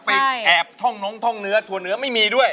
แอบท่องน้องท่องเนื้อถั่วเนื้อไม่มีด้วย